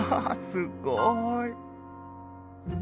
すごい！